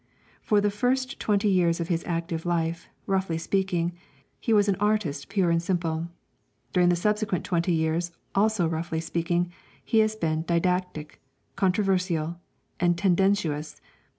For the first twenty years of his active life, roughly speaking, he was an artist pure and simple; during the subsequent twenty years, also roughly speaking, he has been didactic, controversial, and _tendentious.